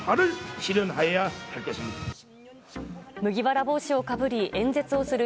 麦わら帽子をかぶり演説をする